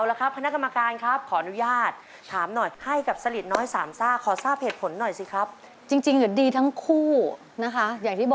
เอาละครับ